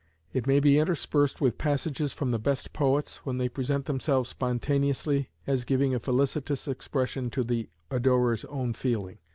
It may be interspersed with passages from the best poets, when they present themselves spontaneously, as giving a felicitous expression to the adorer's own feeling.